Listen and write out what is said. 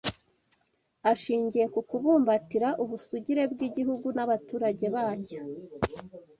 ashingiye ku kubumbatira ubusugire bw’igihugu n’abaturage bacyo